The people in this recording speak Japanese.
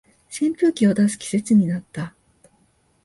扇風機を出す季節になった